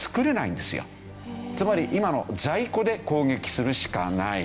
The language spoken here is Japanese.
つまり今の在庫で攻撃するしかない。